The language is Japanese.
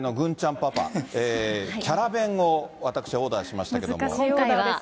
パパ、キャラ弁を私、オーダーしましたけれども。